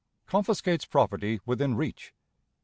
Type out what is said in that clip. Confiscates Property within Reach.